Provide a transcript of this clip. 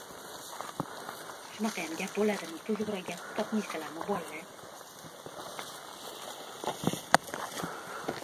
— Balet – karlar uchun opera.